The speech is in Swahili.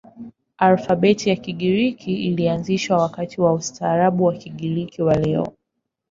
Alfabeti ya Kigiriki ilianzishwa wakati wa ustaarabu wa Ugiriki wa leo.